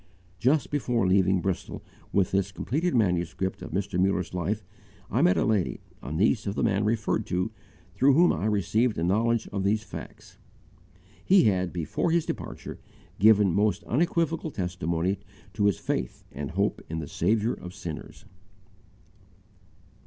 Just before leaving Bristol with this completed manuscript of Mr. Muller's life, I met a lady, a niece of the man referred to, through whom I received a knowledge of these facts. He had, before his departure, given most unequivocal testimony to his faith and hope in the Saviour of sinners.